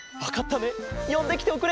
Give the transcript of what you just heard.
よんできておくれよ。